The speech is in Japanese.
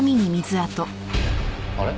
あれ？